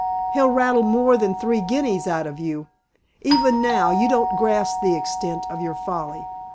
He'll rattle more than my three guineas out of you. Even now, you don't grasp the extent of your folly.